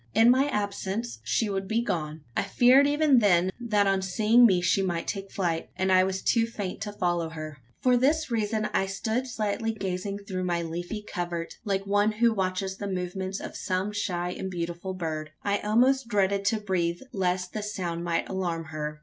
In my absence, she would be gone? I feared even then, that on seeing me she might take flight: and I was too faint to follow her. For this reason, I stood silently gazing through my leafy covert, like one who watches the movements of some shy and beautiful bird. I almost dreaded to breathe lest the sound might alarm her.